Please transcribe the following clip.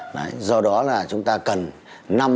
đấy do đó là chúng ta cần